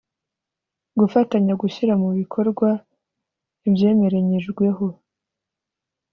gufatanya; gushyira mu bikorwa ibyemerenyijweho;